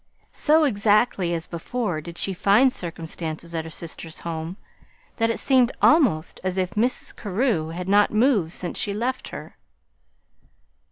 So exactly as before did she find circumstances at her sister's home that it seemed almost as if Mrs. Carew had not moved since she left her.